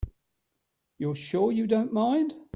You're sure you don't mind?